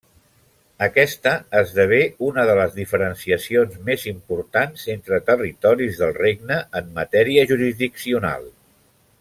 Aquesta esdevé una de les diferenciacions més importants entre territoris del Regne en matèria jurisdiccional.